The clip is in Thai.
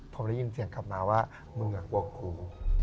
ผมได้ยินเสียงกลับมาว่ามึงกลัวกู